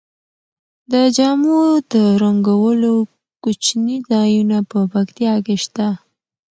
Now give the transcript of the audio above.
د جامو د رنګولو کوچني ځایونه په پکتیا کې شته.